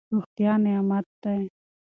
روغتیا نعمت دی.